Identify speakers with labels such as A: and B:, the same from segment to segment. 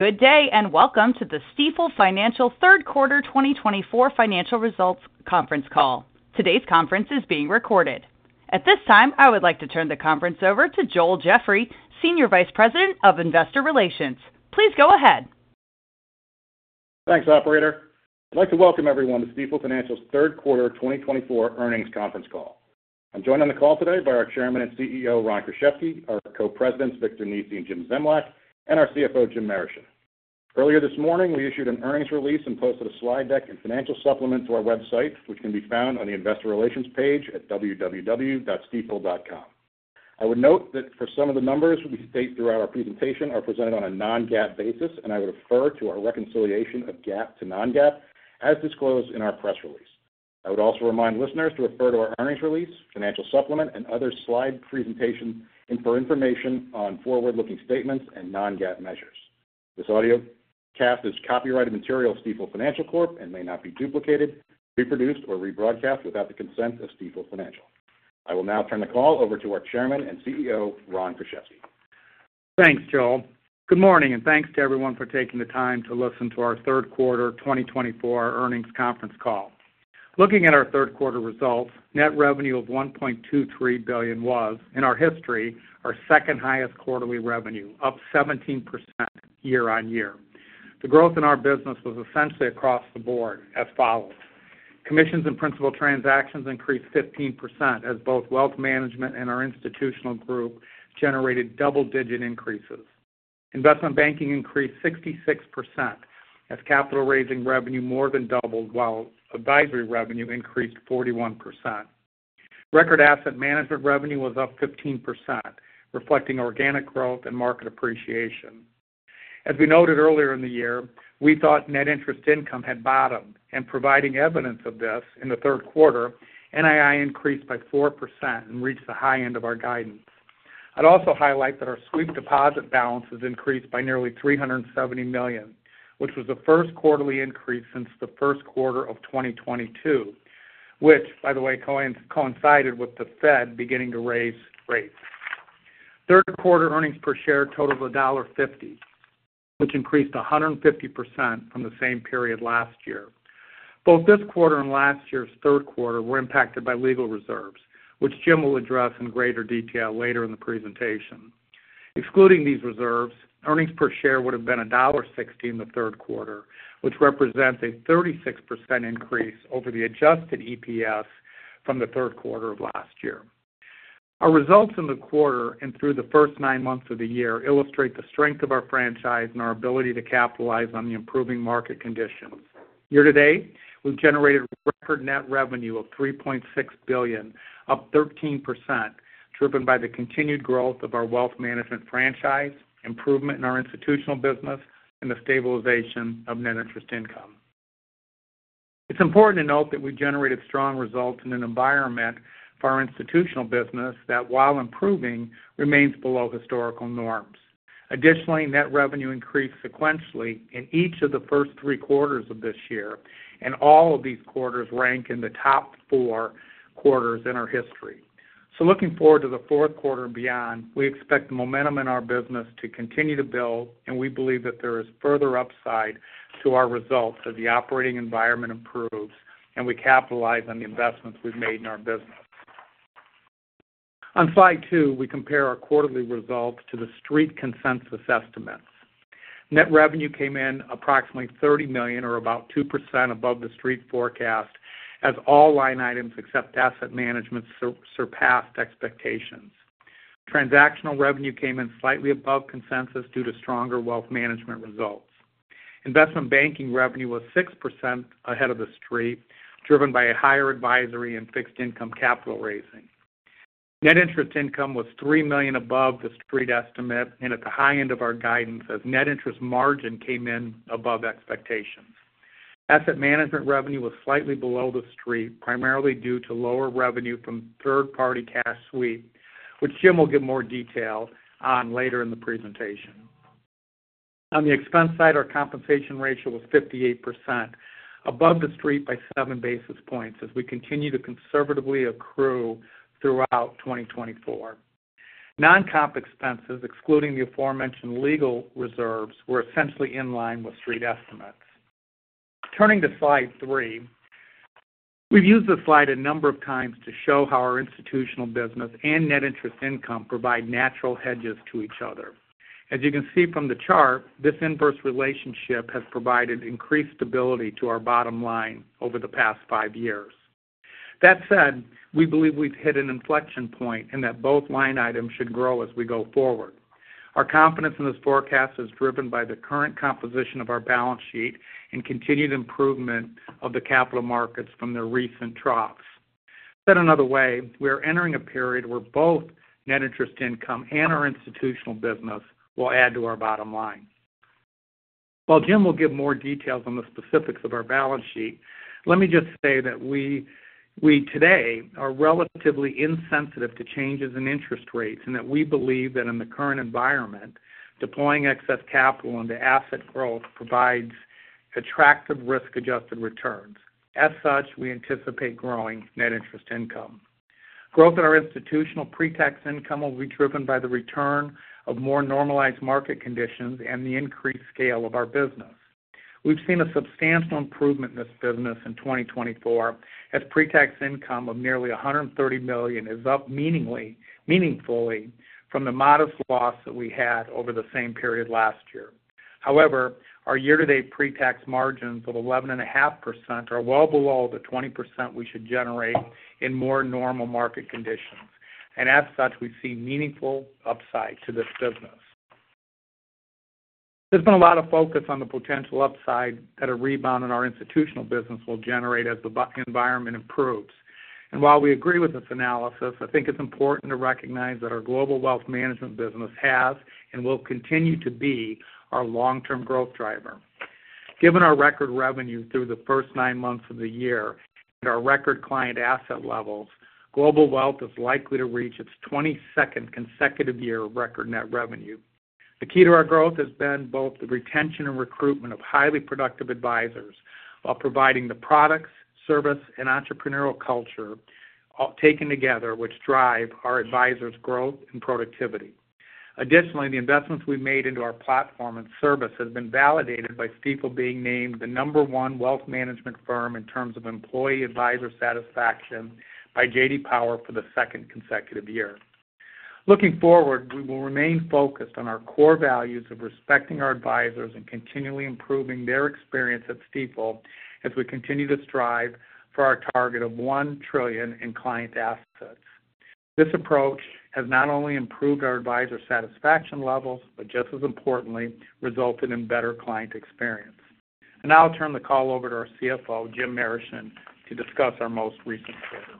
A: Good day, and welcome to the Stifel Financial third quarter 2024 financial results conference call. Today's conference is being recorded. At this time, I would like to turn the conference over to Joel Jeffrey, Senior Vice President of Investor Relations. Please go ahead.
B: Thanks, operator. I'd like to welcome everyone to Stifel Financial's third quarter 2024 earnings conference call. I'm joined on the call today by our Chairman and CEO, Ron Kruszewski, our Co-Presidents, Victor Nesi and Jim Zemlyak, and our CFO, Jim Marischen. Earlier this morning, we issued an earnings release and posted a slide deck and financial supplement to our website, which can be found on the Investor Relations page at www.stifel.com. I would note that for some of the numbers we state throughout our presentation are presented on a non-GAAP basis, and I would refer to our reconciliation of GAAP to non-GAAP as disclosed in our press release. I would also remind listeners to refer to our earnings release, financial supplement, and other slide presentation and for information on forward-looking statements and non-GAAP measures. This audio cast is copyrighted material of Stifel Financial Corp. And may not be duplicated, reproduced, or rebroadcast without the consent of Stifel Financial. I will now turn the call over to our Chairman and CEO, Ron Kruszewski.
C: Thanks, Joel. Good morning, and thanks to everyone for taking the time to listen to our third quarter 2024 earnings conference call. Looking at our third quarter results, net revenue of $1.23 billion was, in our history, our second-highest quarterly revenue, up 17% year-on-year. The growth in our business was essentially across the board as follows: Commissions and principal transactions increased 15% as both wealth management and our institutional group generated double-digit increases. Investment banking increased 66% as capital raising revenue more than doubled, while advisory revenue increased 41%. Record asset management revenue was up 15%, reflecting organic growth and market appreciation. As we noted earlier in the year, we thought net interest income had bottomed and providing evidence of this in the third quarter, NII increased by 4% and reached the high end of our guidance. I'd also highlight that our Sweep deposit balances increased by nearly $370 million, which was the first quarterly increase since the first quarter of 2022, which, by the way, coincided with the Fed beginning to raise rates. Third quarter earnings per share totaled $1.50, which increased 150% from the same period last year. Both this quarter and last year's third quarter were impacted by legal reserves, which Jim will address in greater detail later in the presentation. Excluding these reserves, earnings per share would have been $1.60 in the third quarter, which represents a 36% increase over the adjusted EPS from the third quarter of last year. Our results in the quarter and through the first nine months of the year illustrate the strength of our franchise and our ability to capitalize on the improving market conditions. Year to date, we've generated record net revenue of $3.6 billion, up 13%, driven by the continued growth of our wealth management franchise, improvement in our institutional business, and the stabilization of net interest income. It's important to note that we generated strong results in an environment for our institutional business that, while improving, remains below historical norms. Additionally, net revenue increased sequentially in each of the first three quarters of this year, and all of these quarters rank in the top four quarters in our history. So looking forward to the fourth quarter and beyond, we expect the momentum in our business to continue to build, and we believe that there is further upside to our results as the operating environment improves, and we capitalize on the investments we've made in our business. On slide two, we compare our quarterly results to the Street consensus estimates. Net revenue came in approximately $30 million or about 2% above the Street forecast, as all line items except asset management surpassed expectations. Transactional revenue came in slightly above consensus due to stronger wealth management results. Investment banking revenue was 6% ahead of the Street, driven by a higher advisory and fixed income capital raising. Net interest income was $3 million above the Street estimate and at the high end of our guidance as net interest margin came in above expectations. Asset management revenue was slightly below the Street, primarily due to lower revenue from third-party cash Sweep, which Jim will give more detail on later in the presentation. On the expense side, our compensation ratio was 58%, above the Street by seven basis points, as we continue to conservatively accrue throughout 2024. Non-comp expenses, excluding the aforementioned legal reserves, were essentially in line with Street estimates. Turning to slide three, we've used this slide a number of times to show how our institutional business and net interest income provide natural hedges to each other. As you can see from the chart, this inverse relationship has provided increased stability to our bottom line over the past five years. That said, we believe we've hit an inflection point and that both line items should grow as we go forward. Our confidence in this forecast is driven by the current composition of our balance sheet and continued improvement of the capital markets from their recent troughs. Said another way, we are entering a period where both net interest income and our institutional business will add to our bottom line. While Jim will give more details on the specifics of our balance sheet, let me just say that we today are relatively insensitive to changes in interest rates and that we believe that in the current environment, deploying excess capital into asset growth provides attractive risk-adjusted returns. As such, we anticipate growing net interest income. Growth in our institutional pretax income will be driven by the return of more normalized market conditions and the increased scale of our business. We've seen a substantial improvement in this business in 2024, as pretax income of nearly $130 million is up meaningfully from the modest loss that we had over the same period last year. However, our year-to-date pretax margins of 11.5% are well below the 20% we should generate in more normal market conditions, and as such, we see meaningful upside to this business. There's been a lot of focus on the potential upside that a rebound in our institutional business will generate as the banking environment improves. And while we agree with this analysis, I think it's important to recognize that our global wealth management business has and will continue to be our long-term growth driver. Given our record revenue through the first nine months of the year and our record client asset levels, global wealth is likely to reach its twenty-second consecutive year of record net revenue. The key to our growth has been both the retention and recruitment of highly productive advisors, while providing the products, service, and entrepreneurial culture, taken together, which drive our advisors' growth and productivity. Additionally, the investments we've made into our platform and service have been validated by Stifel being named the number one wealth management firm in terms of employee advisor satisfaction by J.D. Power for the second consecutive year. Looking forward, we will remain focused on our core values of respecting our advisors and continually improving their experience at Stifel, as we continue to strive for our target of one trillion in client assets. This approach has not only improved our advisor satisfaction levels, but just as importantly, resulted in better client experience, and now I'll turn the call over to our CFO, Jim Marischen, to discuss our most recent quarter.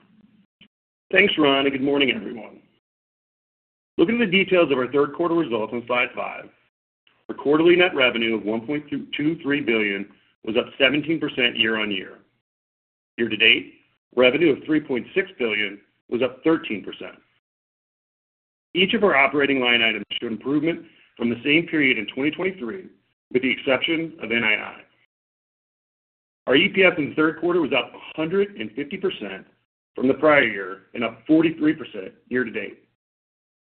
D: Thanks, Ron, and good morning, everyone. Looking at the details of our third quarter results on Slide 5, our quarterly net revenue of $1.23 billion was up 17% year-on-year. Year to date, revenue of $3.6 billion was up 13%. Each of our operating line items showed improvement from the same period in 2023, with the exception of NII. Our EPS in the third quarter was up 150% from the prior year and up 43% year to date,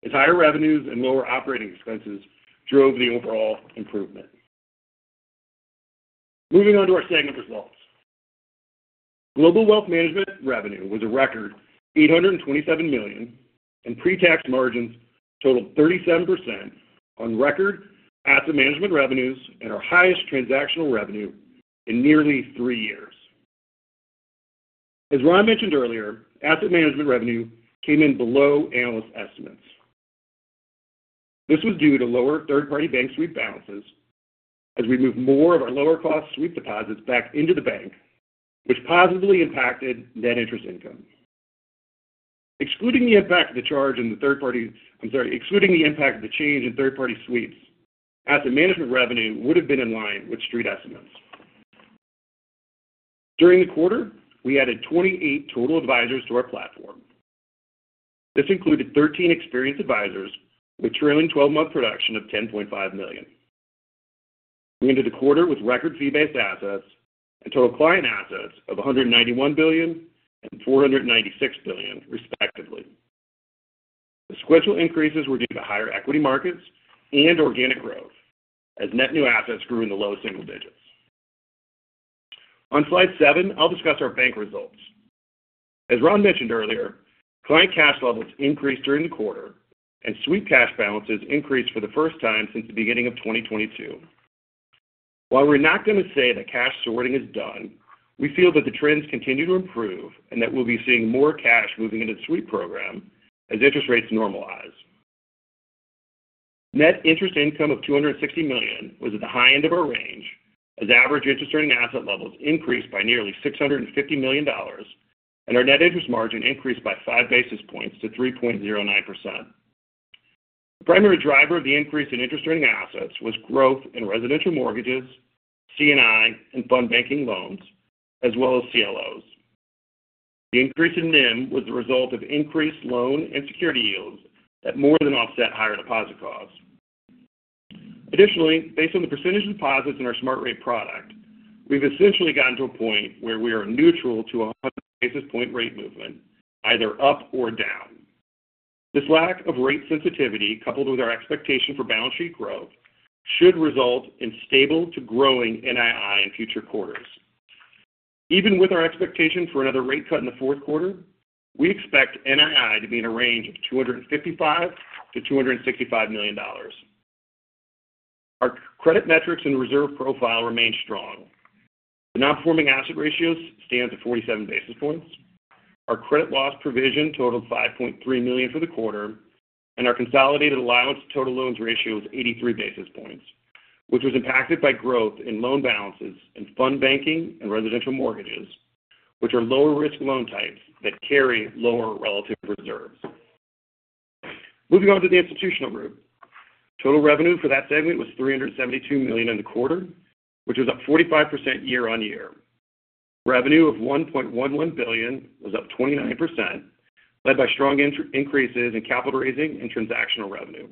D: as higher revenues and lower operating expenses drove the overall improvement. Moving on to our segment results. Global Wealth Management revenue was a record $827 million, and pretax margins totaled 37% on record asset management revenues and our highest transactional revenue in nearly three years. As Ron mentioned earlier, asset management revenue came in below analyst estimates. This was due to lower third-party bank Sweep balances as we moved more of our lower-cost Sweep deposits back into the bank, which positively impacted net interest income. I'm sorry, excluding the impact of the change in third-party Sweeps, asset management revenue would have been in line with Street estimates. During the quarter, we added 28 total advisors to our platform. This included 13 experienced advisors with trailing twelve-month production of $10.5 million. We ended the quarter with record fee-based assets and total client assets of $191 billion and $496 billion, respectively. The sequential increases were due to higher equity markets and organic growth, as net new assets grew in the low single digits. On Slide seven, I'll discuss our bank results. As Ron mentioned earlier, client cash levels increased during the quarter, and Sweep cash balances increased for the first time since the beginning of 2022. While we're not going to say that cash sorting is done, we feel that the trends continue to improve and that we'll be seeing more cash moving into the Sweep program as interest rates normalize. Net interest income of $260 million was at the high end of our range, as average interest-earning asset levels increased by nearly $650 million, and our net interest margin increased by five basis points to 3.09%. The primary driver of the increase in interest-earning assets was growth in residential mortgages, C&I, and fund banking loans, as well as CLOs. The increase in NIM was the result of increased loan and security yields that more than offset higher deposit costs. Additionally, based on the percentage of deposits in our Smart Rate product, we've essentially gotten to a point where we are neutral to a hundred basis point rate movement, either up or down. This lack of rate sensitivity, coupled with our expectation for balance sheet growth, should result in stable to growing NII in future quarters. Even with our expectation for another rate cut in the fourth quarter, we expect NII to be in a range of $255 million-$265 million. Our credit metrics and reserve profile remain strong. The non-performing asset ratios stand at 47 basis points. Our credit loss provision totaled $5.3 million for the quarter, and our consolidated allowance to total loans ratio was 83 basis points, which was impacted by growth in loan balances and fund banking and residential mortgages, which are lower-risk loan types that carry lower relative reserves. Moving on to the institutional group. Total revenue for that segment was $372 million in the quarter, which was up 45% year-on-year. Revenue of $1.1 billion was up 29%, led by strong increases in capital raising and transactional revenue.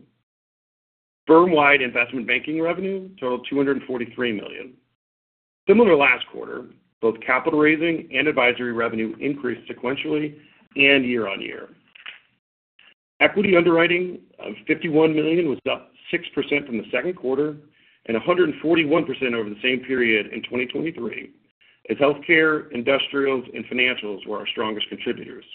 D: Firm-wide investment banking revenue totaled $243 million. Similar to last quarter, both capital raising and advisory revenue increased sequentially and year-on-year. Equity underwriting of $51 million was up 6% from the second quarter and 141% over the same period in 2023, as healthcare, industrials, and financials were our strongest contributors.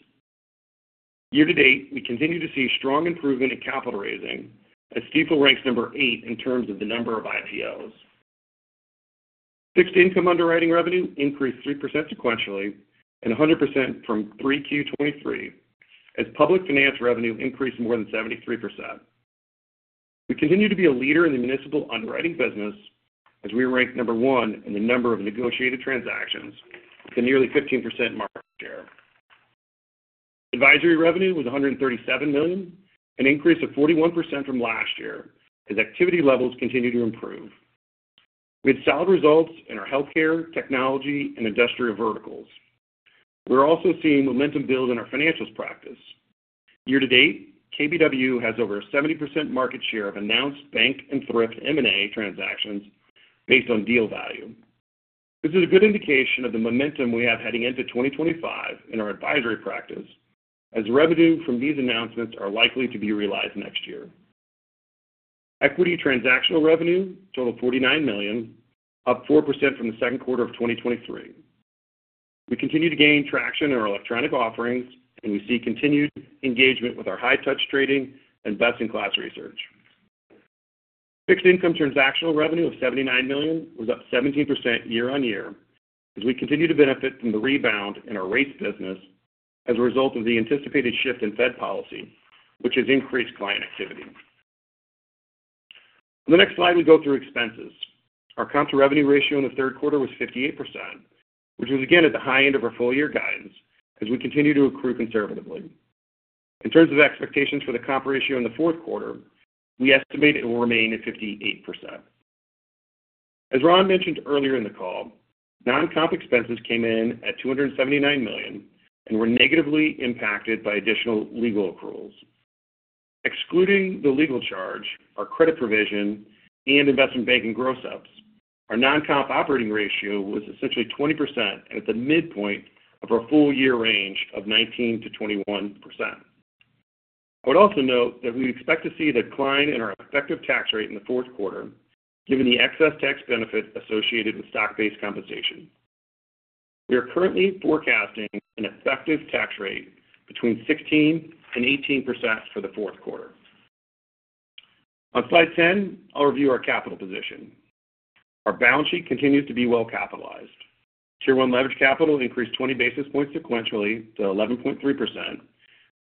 D: Year-to-date, we continue to see strong improvement in capital raising, as Stifel ranks number 8 in terms of the number of IPOs. Fixed income underwriting revenue increased 3% sequentially and 100% from 3Q 2023, as public finance revenue increased more than 73%. We continue to be a leader in the municipal underwriting business, as we rank number 1 in the number of negotiated transactions with a nearly 15% market share. Advisory revenue was $137 million, an increase of 41% from last year, as activity levels continue to improve. We had solid results in our healthcare, technology, and industrial verticals. We're also seeing momentum build in our financials practice. Year-to-date, KBW has over a 70% market share of announced bank and thrift M&A transactions based on deal value. This is a good indication of the momentum we have heading into 2025 in our advisory practice, as revenue from these announcements are likely to be realized next year. Equity transactional revenue totaled $49 million, up 4% from the second quarter of 2023. We continue to gain traction in our electronic offerings, and we see continued engagement with our high-touch trading and best-in-class research. Fixed income transactional revenue of $79 million was up 17% year-on-year, as we continue to benefit from the rebound in our rates business as a result of the anticipated shift in Fed policy, which has increased client activity. On the next slide, we go through expenses. Our comp-to-revenue ratio in the third quarter was 58%, which was again at the high end of our full-year guidance, as we continue to accrue conservatively. In terms of expectations for the comp ratio in the fourth quarter, we estimate it will remain at 58%. As Ron mentioned earlier in the call, non-comp expenses came in at $279 million and were negatively impacted by additional legal accruals. Excluding the legal charge, our credit provision, and investment banking gross-ups, our non-comp operating ratio was essentially 20% and at the midpoint of our full-year range of 19%-21%. I would also note that we expect to see a decline in our effective tax rate in the fourth quarter, given the excess tax benefit associated with stock-based compensation. We are currently forecasting an effective tax rate between 16% and 18% for the fourth quarter. On slide 10, I'll review our capital position. Our balance sheet continues to be well capitalized. Tier 1 leverage capital increased 20 basis points sequentially to 11.3%, and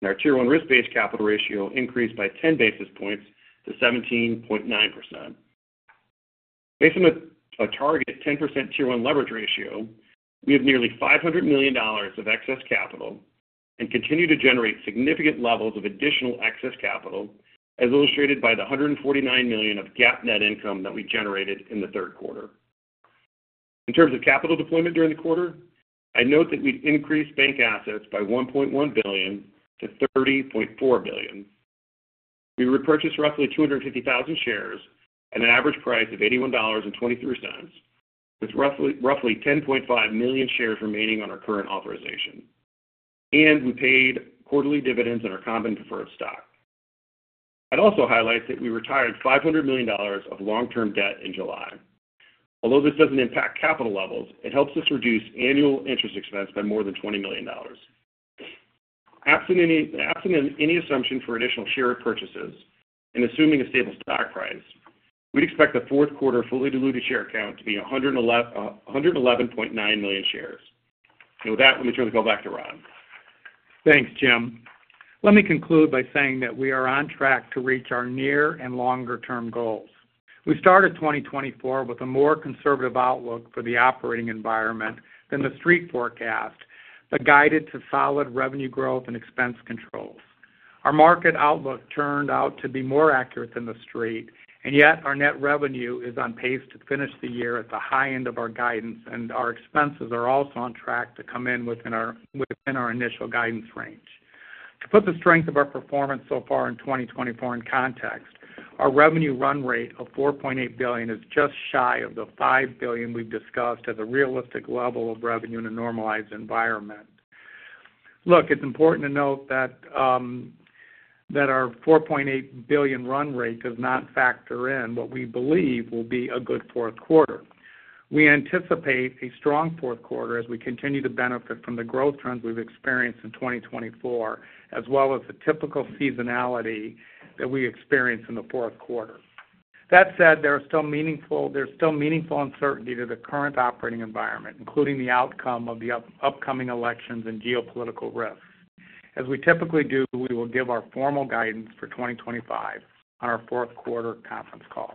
D: our Tier 1 risk-based capital ratio increased by 10 basis points to 17.9%. Based on a target 10% Tier 1 leverage ratio, we have nearly $500 million of excess capital and continue to generate significant levels of additional excess capital, as illustrated by the 149 million of GAAP net income that we generated in the third quarter. In terms of capital deployment during the quarter, I'd note that we increased bank assets by $1.1 billion to $30.4 billion. We repurchased roughly 250,000 shares at an average price of $81.23, with roughly 10.5 million shares remaining on our current authorization. We paid quarterly dividends on our common and preferred stock. I'd also highlight that we retired $500 million of long-term debt in July. Although this doesn't impact capital levels, it helps us reduce annual interest expense by more than $20 million. Absent any assumption for additional share repurchases and assuming a stable stock price, we'd expect the fourth quarter fully diluted share count to be 111.9 million shares. With that, let me turn it back over to Ron.
C: Thanks, Jim. Let me conclude by saying that we are on track to reach our near and longer-term goals. We started 2024 with a more conservative outlook for the operating environment than the Street forecast, but guided to solid revenue growth and expense controls. Our market outlook turned out to be more accurate than the Street, and yet our net revenue is on pace to finish the year at the high end of our guidance, and our expenses are also on track to come in within our initial guidance range. To put the strength of our performance so far in 2024 in context, our revenue run rate of $4.8 billion is just shy of the $5 billion we've discussed as a realistic level of revenue in a normalized environment. Look, it's important to note that that our $4.8 billion run rate does not factor in what we believe will be a good fourth quarter. We anticipate a strong fourth quarter as we continue to benefit from the growth trends we've experienced in 2024, as well as the typical seasonality that we experience in the fourth quarter. That said, there's still meaningful uncertainty to the current operating environment, including the outcome of the upcoming elections and geopolitical risks. As we typically do, we will give our formal guidance for 2025 on our fourth quarter conference call.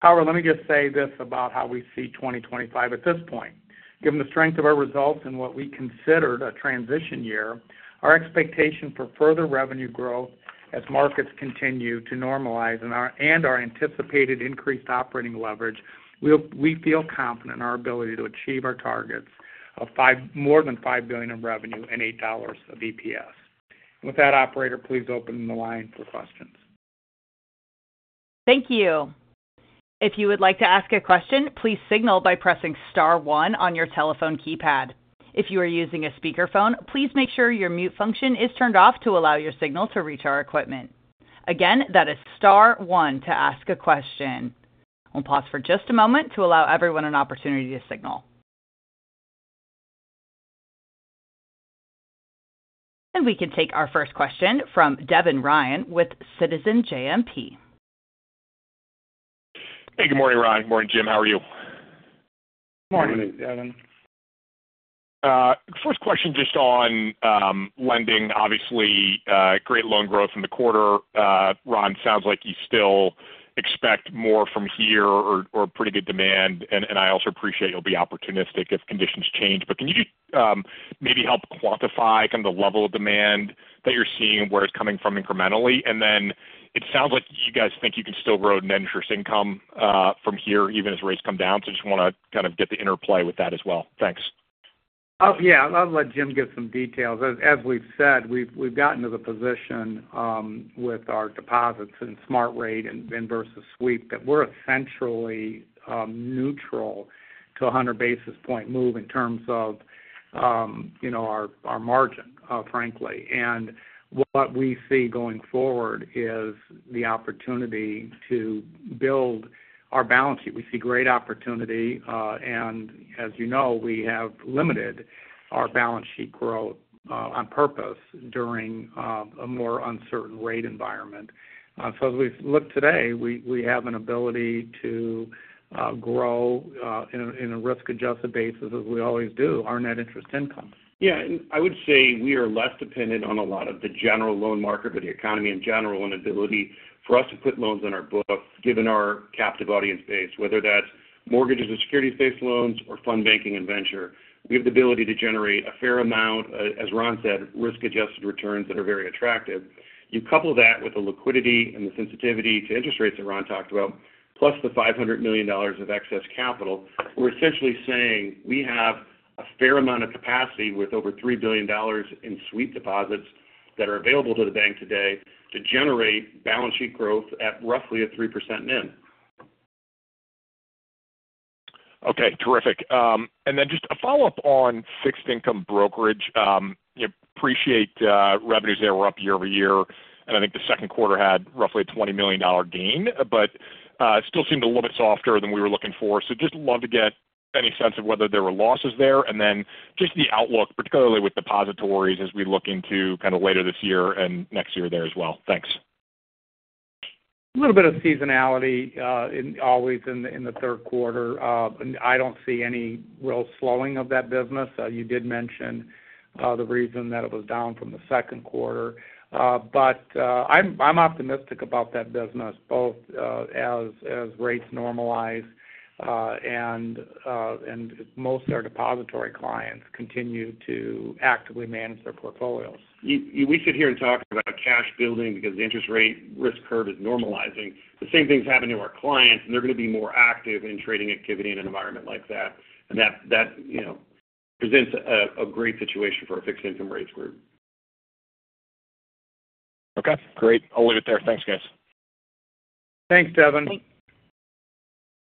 C: However, let me just say this about how we see 2025 at this point. Given the strength of our results in what we considered a transition year, our expectation for further revenue growth as markets continue to normalize and our anticipated increased operating leverage, we feel confident in our ability to achieve our targets of $5, more than $5 billion in revenue and $8 of EPS. With that, operator, please open the line for questions.
A: Thank you. If you would like to ask a question, please signal by pressing star one on your telephone keypad. If you are using a speakerphone, please make sure your mute function is turned off to allow your signal to reach our equipment. Again, that is star one to ask a question. We'll pause for just a moment to allow everyone an opportunity to signal. And we can take our first question from Devin Ryan with Citizens JMP.
E: Hey, good morning, Ron. Good morning, Jim. How are you?
C: Morning, Devin.
E: First question, just on lending. Obviously, great loan growth in the quarter. Ron, sounds like you still expect more from here or pretty good demand. And I also appreciate you'll be opportunistic if conditions change. But can you maybe help quantify kind of the level of demand that you're seeing and where it's coming from incrementally? And then it sounds like you guys think you can still grow net interest income from here, even as rates come down. So just want to kind of get the interplay with that as well. Thanks.
C: Oh, yeah. I'll let Jim give some details. As we've said, we've gotten to the position with our deposits in Smart Rate and versus Sweep, that we're essentially neutral to a hundred basis point move in terms of, you know, our margin, frankly. And what we see going forward is the opportunity to build our balance sheet. We see great opportunity, and as you know, we have limited our balance sheet growth on purpose during a more uncertain rate environment. So as we've looked today, we have an ability to grow in a risk-adjusted basis, as we always do, our net interest income.
D: Yeah, and I would say we are less dependent on a lot of the general loan market or the economy in general, and ability for us to put loans on our books, given our captive audience base, whether that's mortgages or security-based loans or fund banking and venture. We have the ability to generate a fair amount, as Ron said, risk-adjusted returns that are very attractive. You couple that with the liquidity and the sensitivity to interest rates that Ron talked about, plus $500 million of excess capital. We're essentially saying we have a fair amount of capacity with over $3 billion in Sweep deposits that are available to the bank today to generate balance sheet growth at roughly a 3% NIM.
E: Okay, terrific. And then just a follow-up on fixed income brokerage. Appreciate revenues there were up year-over-year, and I think the second quarter had roughly a $20 million gain, but it still seemed a little bit softer than we were looking for. So just love to get any sense of whether there were losses there, and then just the outlook, particularly with depositories as we look into kind of later this year and next year there as well. Thanks.
C: A little bit of seasonality always in the third quarter. I don't see any real slowing of that business. You did mention the reason that it was down from the second quarter. But I'm optimistic about that business, both as rates normalize and most of our depository clients continue to actively manage their portfolios.
D: We sit here and talk about cash building because the interest rate risk curve is normalizing. The same thing's happening to our clients, and they're going to be more active in trading activity in an environment like that. And that, you know, presents a great situation for our fixed income rates group.
E: Okay, great. I'll leave it there. Thanks, guys.
C: Thanks, Devin.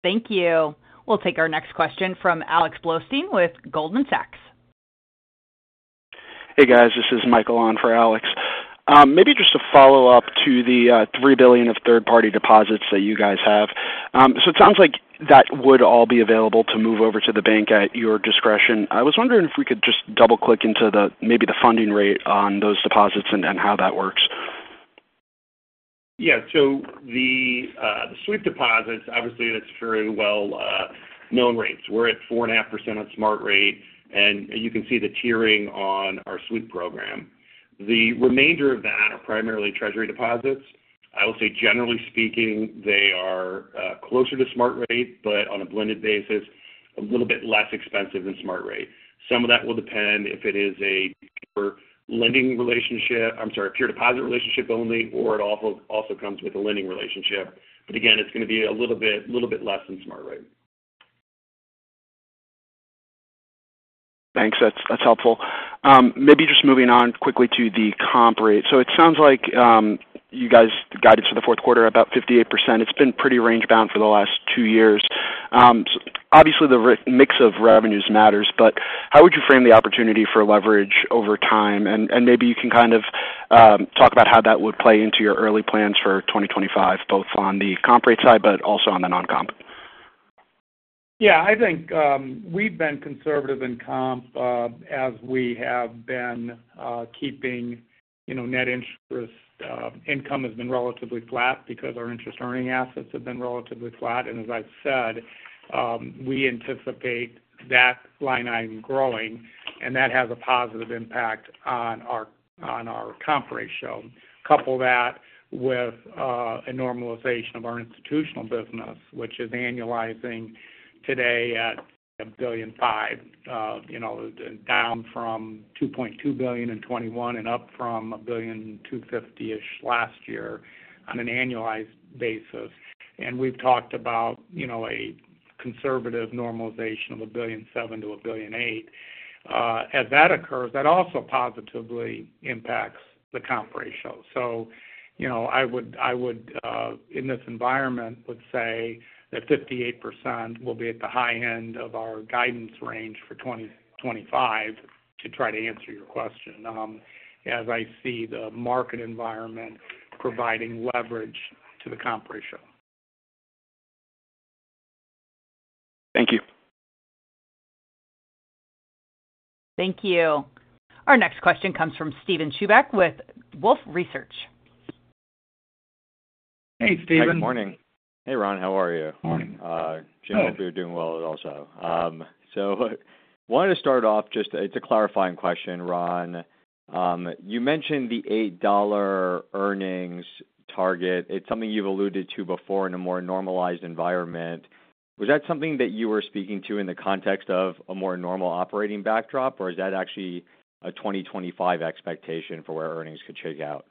A: Thanks. Thank you. We'll take our next question from Alex Blostein with Goldman Sachs. Hey, guys, this is Michael on for Alex. Maybe just a follow-up to the $3 billion of third-party deposits that you guys have. So it sounds like that would all be available to move over to the bank at your discretion. I was wondering if we could just double-click into the, maybe the funding rate on those deposits and how that works.
D: Yeah, so the, the Sweep deposits, obviously, that's very well known rates. We're at 4.5% on Smart Rate, and you can see the tiering on our Sweep program. The remainder of that are primarily treasury deposits. I will say, generally speaking, they are closer to Smart Rate, but on a blended basis, a little bit less expensive than Smart Rate. Some of that will depend if it is a lending relationship. I'm sorry, a pure deposit relationship only, or it also comes with a lending relationship. But again, it's going to be a little bit less than Smart Rate. Thanks. That's, that's helpful. Maybe just moving on quickly to the comp rate. So it sounds like you guys guided for the fourth quarter about 58%. It's been pretty range-bound for the last two years. Obviously, the remix of revenues matters, but how would you frame the opportunity for leverage over time? And maybe you can kind of talk about how that would play into your early plans for 2025, both on the comp rate side, but also on the non-comp.
C: Yeah, I think we've been conservative in comp, as we have been keeping, you know, net interest income has been relatively flat because our interest earning assets have been relatively flat. And as I've said, we anticipate that line item growing, and that has a positive impact on our, on our comp ratio. Couple that with a normalization of our institutional business, which is annualizing today at $1.5 billion, you know, down from $2.2 billion in 2021 and up from $1.25 billion-ish last year on an annualized basis. And we've talked about, you know, a conservative normalization of $1.7 billion-$1.8 billion. As that occurs, that also positively impacts the comp ratio. So, you know, I would in this environment would say that 58% will be at the high end of our guidance range for 2025, to try to answer your question, as I see the market environment providing leverage to the comp ratio. Thank you.
A: Thank you. Our next question comes from Steven Chubak with Wolfe Research.
C: Hey, Steven.
F: Hi, good morning. Hey, Ron, how are you?
C: Morning.
F: Jim, hope you're doing well also. So wanted to start off just it's a clarifying question, Ron. You mentioned the $8 earnings target. It's something you've alluded to before in a more normalized environment. Was that something that you were speaking to in the context of a more normal operating backdrop? Or is that actually a 2025 expectation for where earnings could shake out?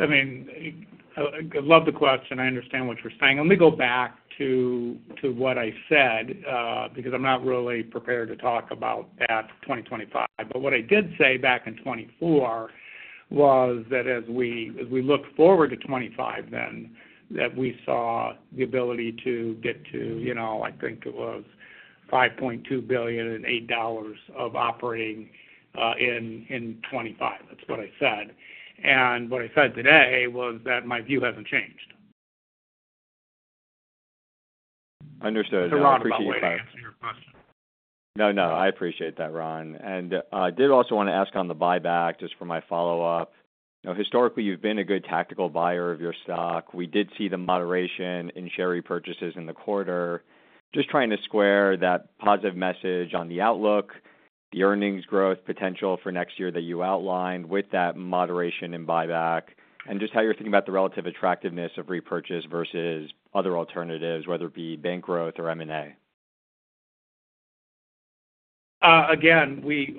C: I mean, I love the question. I understand what you're saying. Let me go back to what I said, because I'm not really prepared to talk about that 2025, but what I did say back in 2024 was that as we look forward to 2025 then, that we saw the ability to get to, you know, I think it was $5.2 billion and $8 of operating in 2025. That's what I said, and what I said today was that my view hasn't changed.
F: Understood. I appreciate that.
C: Does that answer your question?
F: No, no, I appreciate that, Ron. And I did also want to ask on the buyback, just for my follow-up. Now, historically, you've been a good tactical buyer of your stock. We did see the moderation in share repurchases in the quarter. Just trying to square that positive message on the outlook, the earnings growth potential for next year that you outlined with that moderation in buyback, and just how you're thinking about the relative attractiveness of repurchase versus other alternatives, whether it be bank growth or M&A.
C: Again, we,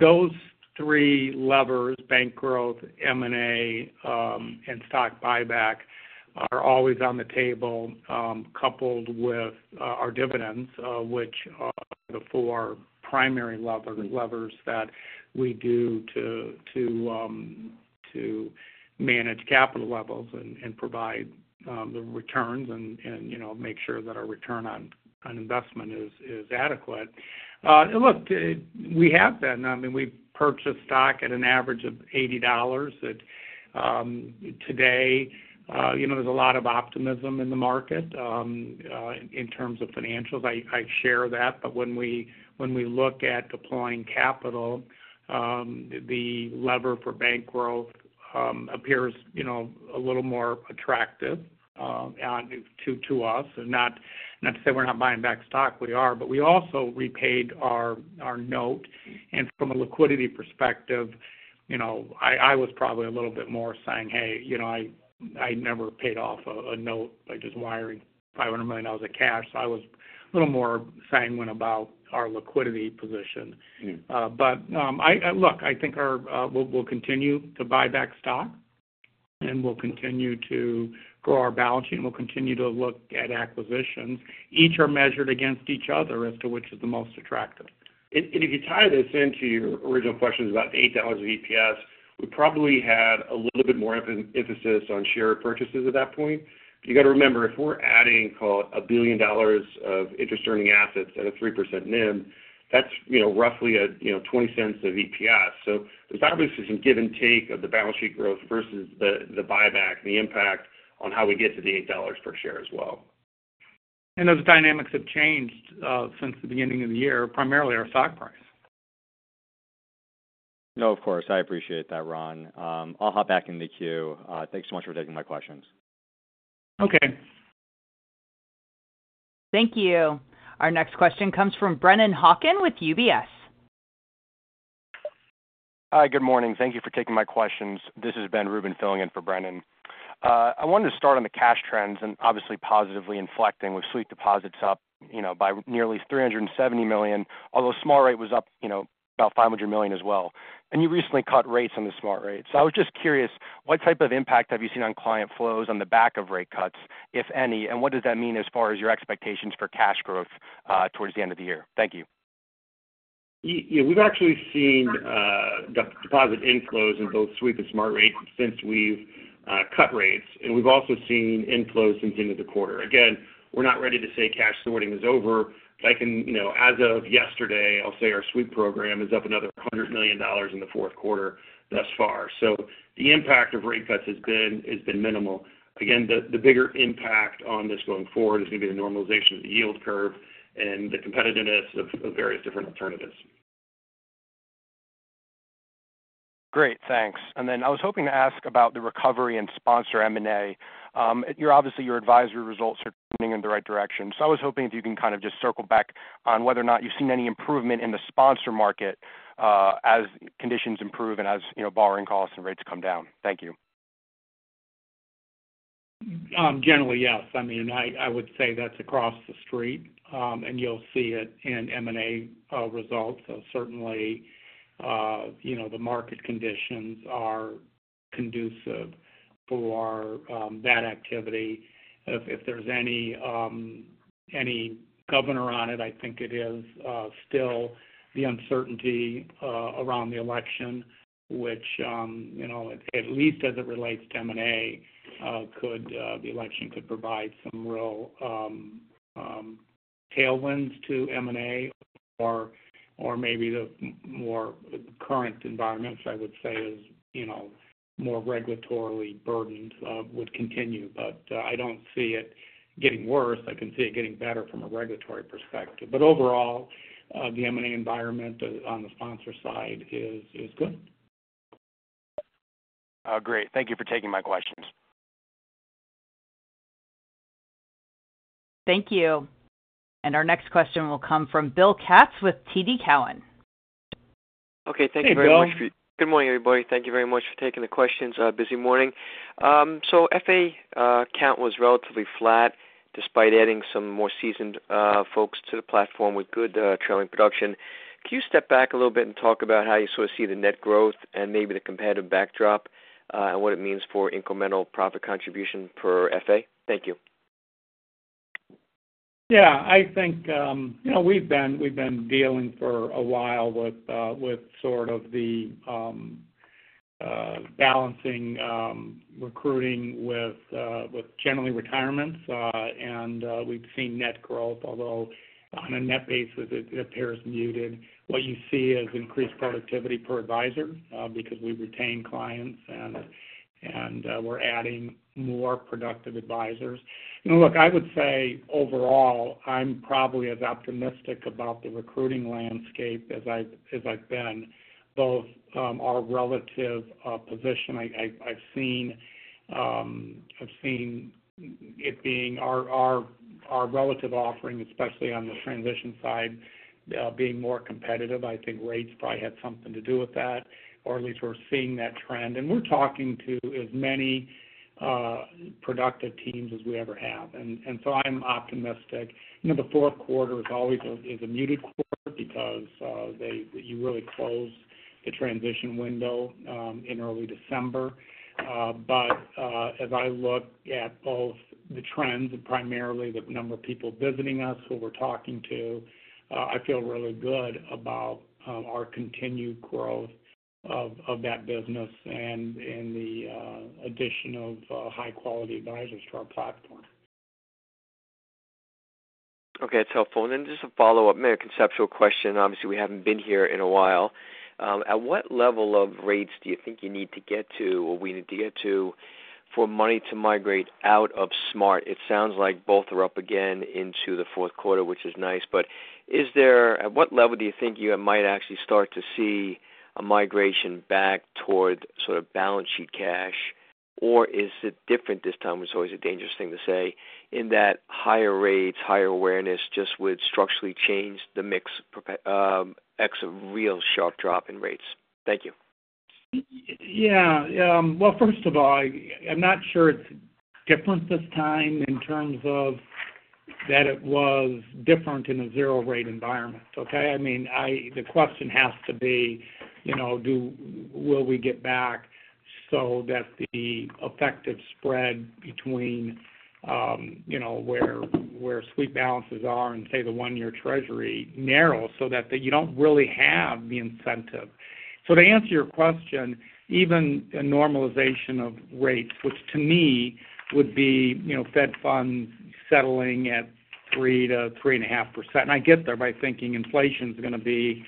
C: those three levers, bank growth, M&A, and stock buyback, are always on the table, coupled with our dividends, which are the four primary levers that we do to manage capital levels and provide the returns and, you know, make sure that our return on investment is adequate. And look, we have been... I mean, we've purchased stock at an average of $80. At today, you know, there's a lot of optimism in the market in terms of financials. I share that, but when we look at deploying capital, the lever for bank growth appears, you know, a little more attractive, and to us. Not, not to say we're not buying back stock, we are, but we also repaid our note. And from a liquidity perspective, you know, I was probably a little bit more saying, "Hey, you know, I never paid off a note by just wiring $500 million in cash." So I was a little more sanguine about our liquidity position. Look, I think our we'll continue to buy back stock, and we'll continue to grow our balance sheet, and we'll continue to look at acquisitions. Each are measured against each other as to which is the most attractive.
D: If you tie this into your original questions about the $8 of EPS, we probably had a little bit more emphasis on share purchases at that point. But you got to remember, if we're adding, call it, $1 billion of interest-earning assets at a 3% NIM, that's, you know, roughly a, you know, $0.20 of EPS. So there's obviously some give and take of the balance sheet growth versus the, the buyback, the impact on how we get to the $8 per share as well.
C: And those dynamics have changed since the beginning of the year, primarily our stock price.
F: No, of course. I appreciate that, Ron. I'll hop back in the queue. Thanks so much for taking my questions.
C: Okay.
A: Thank you. Our next question comes from Brennan Hawken with UBS.
G: Hi, good morning. Thank you for taking my questions. This is Ben Rubin, filling in for Brennan. I wanted to start on the cash trends and obviously positively inflecting with Sweep deposits up, you know, by nearly $370 million, although Smart Rate was up, you know, about $500 million as well. And you recently cut rates on the Smart Rate. So I was just curious, what type of impact have you seen on client flows on the back of rate cuts, if any? And what does that mean as far as your expectations for cash growth towards the end of the year? Thank you.
D: Yeah, we've actually seen deposit inflows in both Sweep and Smart Rate since we've cut rates, and we've also seen inflows since the end of the quarter. Again, we're not ready to say cash sorting is over. But I can, you know, as of yesterday, I'll say our Sweep program is up another $100 million in the fourth quarter thus far. So the impact of rate cuts has been, it's been minimal. Again, the bigger impact on this going forward is going to be the normalization of the yield curve and the competitiveness of various different alternatives.
G: Great, thanks. And then I was hoping to ask about the recovery and sponsor M&A. You're obviously, your advisory results are moving in the right direction. So I was hoping if you can kind of just circle back on whether or not you've seen any improvement in the sponsor market, as conditions improve and as, you know, borrowing costs and rates come down. Thank you.
C: Generally, yes. I mean, I would say that's across the Street, and you'll see it in M&A results, so certainly, you know, the market conditions are conducive for that activity. If there's any governor on it, I think it is still the uncertainty around the election, which, you know, at least as it relates to M&A, the election could provide some real tailwinds to M&A, or maybe the more current environment, I would say, is, you know, more regulatorily burdened, would continue. I don't see it getting worse. I can see it getting better from a regulatory perspective. Overall, the M&A environment on the sponsor side is good.
G: Great. Thank you for taking my questions.
A: Thank you, and our next question will come from Bill Katz with TD Cowen.
C: Hey, Bill.
H: Okay, thank you very much. Good morning, everybody. Thank you very much for taking the questions, busy morning. So FA count was relatively flat, despite adding some more seasoned folks to the platform with good trailing production. Can you step back a little bit and talk about how you sort of see the net growth and maybe the competitive backdrop, and what it means for incremental profit contribution per FA? Thank you.
C: Yeah, I think, you know, we've been dealing for a while with sort of the balancing recruiting with generally retirements, and we've seen net growth, although on a net basis, it appears muted. What you see is increased productivity per advisor, because we retain clients and we're adding more productive advisors. You know, look, I would say, overall, I'm probably as optimistic about the recruiting landscape as I've been, both our relative position. I've seen it being our relative offering, especially on the transition side, being more competitive. I think rates probably had something to do with that, or at least we're seeing that trend. And we're talking to as many, productive teams as we ever have, and, and so I'm optimistic. You know, the fourth quarter is always a muted quarter because you really close the transition window in early December. But, as I look at both the trends, and primarily the number of people visiting us, who we're talking to, I feel really good about our continued growth of that business and, and the addition of high-quality advisors to our platform.
H: Okay, that's helpful. And then just a follow-up, maybe a conceptual question. Obviously, we haven't been here in a while. At what level of rates do you think you need to get to, or we need to get to, for money to migrate out of SMART? It sounds like both are up again into the fourth quarter, which is nice, but at what level do you think you might actually start to see a migration back toward sort of balance sheet cash, or is it different this time? It's always a dangerous thing to say, in that higher rates, higher awareness just would structurally change the mix, except a real sharp drop in rates. Thank you.
C: Yeah, well, first of all, I'm not sure it's different this time in terms of that it was different in a zero-rate environment, okay? I mean, the question has to be, you know, will we get back so that the effective spread between, you know, where Sweep balances are and, say, the one-year Treasury narrow so that you don't really have the incentive. So to answer your question, even a normalization of rates, which to me would be, you know, Fed Funds settling at 3%-3.5%. I get there by thinking inflation's gonna be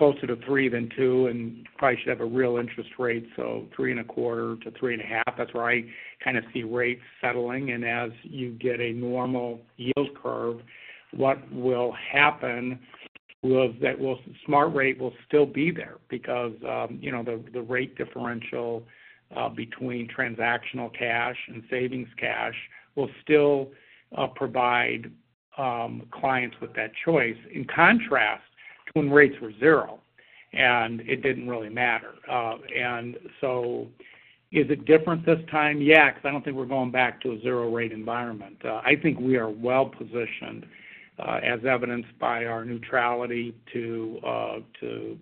C: closer to 3% than 2%, and probably should have a real interest rate, so 3.25%-3.5%. That's where I kind of see rates settling. As you get a normal yield curve, what will happen will, that will Smart Rate will still be there because, you know, the rate differential between transactional cash and savings cash will still provide clients with that choice. In contrast to when rates were zero, and it didn't really matter. And so is it different this time? Yeah, 'cause I don't think we're going back to a zero-rate environment. I think we are well positioned, as evidenced by our neutrality to,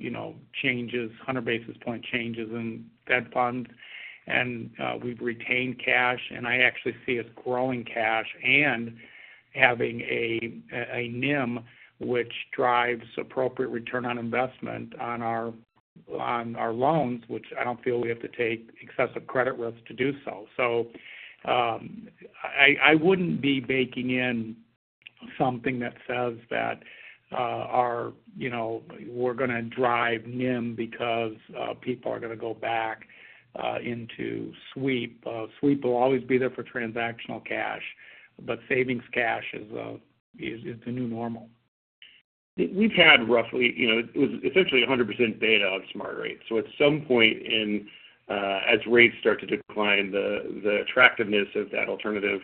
C: you know, changes, hundred basis point changes in Fed Funds. And we've retained cash, and I actually see us growing cash and having a NIM which drives appropriate return on investment on our loans, which I don't feel we have to take excessive credit risks to do so. So, I wouldn't be baking in something that says that our, you know we're gonna drive NIM because people are gonna go back into Sweep. Sweep will always be there for transactional cash, but savings cash is the new normal.
D: We've had roughly, you know, it was essentially 100% beta on Smart Rate. So at some point in, as rates start to decline, the attractiveness of that alternative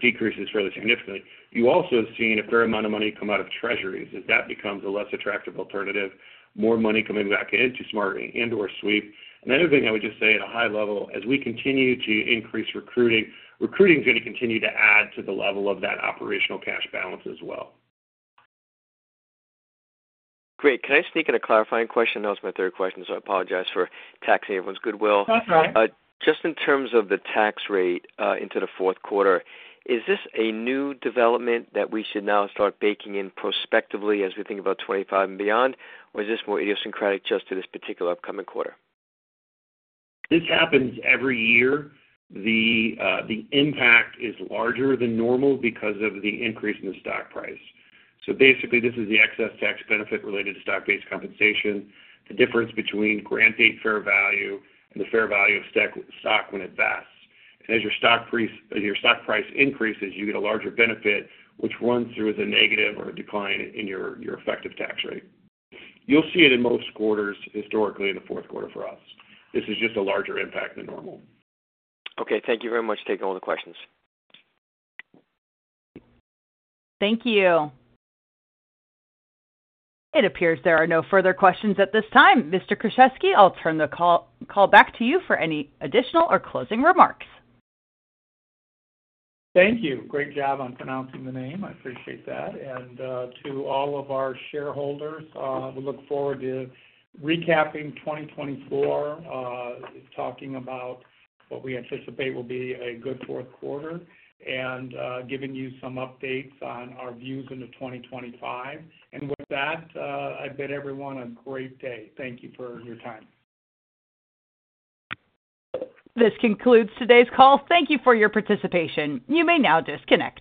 D: decreases fairly significantly. You also have seen a fair amount of money come out of treasuries. As that becomes a less attractive alternative, more money coming back into Smart Rate and/or Sweep. Another thing I would just say at a high level, as we continue to increase recruiting, recruiting is gonna continue to add to the level of that operational cash balance as well.
H: Great. Can I sneak in a clarifying question? That was my third question, so I apologize for taxing everyone's goodwill.
C: That's all right.
H: Just in terms of the tax rate, into the fourth quarter, is this a new development that we should now start baking in prospectively as we think about 2025 and beyond? Or is this more idiosyncratic just to this particular upcoming quarter?
D: This happens every year. The impact is larger than normal because of the increase in the stock price. So basically, this is the excess tax benefit related to stock-based compensation, the difference between grant date fair value and the fair value of stock when it vests. And as your stock price increases, you get a larger benefit, which runs through as a negative or a decline in your effective tax rate. You'll see it in most quarters, historically, in the fourth quarter for us. This is just a larger impact than normal.
H: Okay, thank you very much for taking all the questions.
A: Thank you. It appears there are no further questions at this time. Mr. Kruszewski, I'll turn the call back to you for any additional or closing remarks.
C: Thank you. Great job on pronouncing the name. I appreciate that, and to all of our shareholders, we look forward to recapping 2024, talking about what we anticipate will be a good fourth quarter, and giving you some updates on our views into 2025, and with that, I bid everyone a great day. Thank you for your time.
A: This concludes today's call. Thank you for your participation. You may now disconnect.